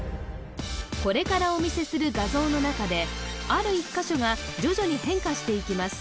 これからお見せする画像の中である１カ所が徐々に変化していきます